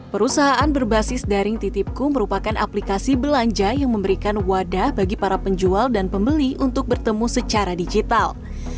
perusahaan berbasis daring titipku merupakan aplikasi belanja yang memberikan wadah bagi para penjual dan pembeli untuk bertemu secara digital